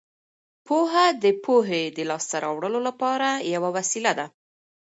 پوهه د پوهې د لاسته راوړلو لپاره یوه وسیله ده.